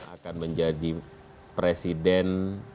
akan menjadi presiden